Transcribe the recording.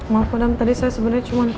maaf madam tadi saya sebenernya cuma